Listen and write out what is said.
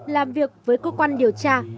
làm việc với cơ quan điều tra